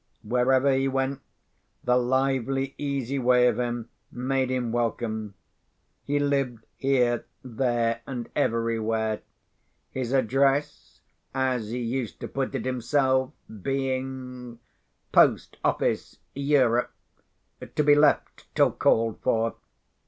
Wherever he went, the lively, easy way of him made him welcome. He lived here, there, and everywhere; his address (as he used to put it himself) being "Post Office, Europe—to be left till called for."